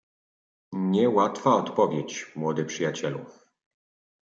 "Nie łatwa odpowiedź, młody przyjacielu!"